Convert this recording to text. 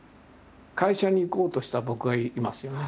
会社に行こうとした僕がいますよね。